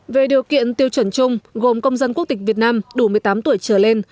về điều kiện tiêu chuẩn chung gồm công dân quốc tịch việt nam đủ một mươi tám tuổi trở lên